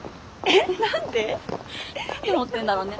何で持ってるんだろうね？